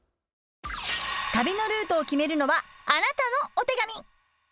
旅のルートを決めるのはあなたのお手紙。